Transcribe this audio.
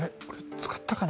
使ったかな？